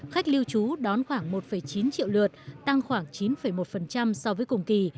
khách lưu trú đón khoảng một chín triệu lượt tăng khoảng chín một so với cùng kỳ